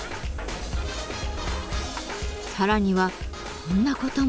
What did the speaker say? さらにはこんなことも。